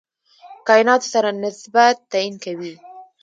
کایناتو سره نسبت تعیین کوي.